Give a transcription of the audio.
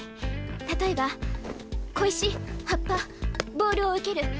例えば小石葉っぱボールを受ける。